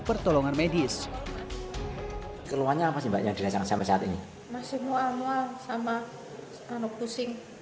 pertolongan medis keluarnya masih banyak dirasakan sampai saat ini masih mual mual sama anak pusing